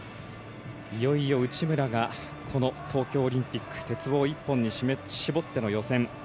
いよいよ内村がこの東京オリンピック鉄棒一本に絞っての予選。